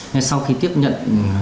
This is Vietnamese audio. ngay sau khi tiếp nhận